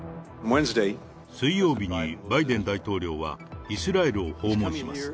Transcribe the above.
水曜日にバイデン大統領は、イスラエルを訪問します。